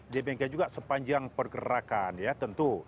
dibengka juga sepanjang pergerakan ya tentu